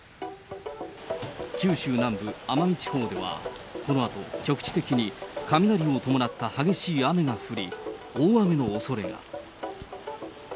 九州南部、奄美地方では、このあと局地的に雷を伴った激しい雨が降り、大雨のおそれが。